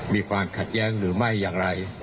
มีความขัดแย้งหรือไม่อย่างไร